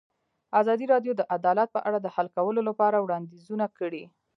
ازادي راډیو د عدالت په اړه د حل کولو لپاره وړاندیزونه کړي.